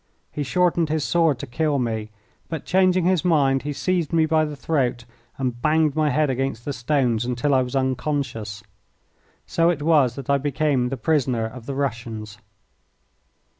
He shortened his sword to kill me, but, changing his mind, he seized me by the throat and banged my head against the stones until I was unconscious. So it was that I became the prisoner of the Russians.